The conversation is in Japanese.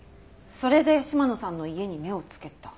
それで嶋野さんの家に目をつけた。